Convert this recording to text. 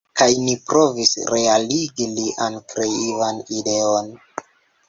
Kaj ni provis realigi lian kreivan ideon.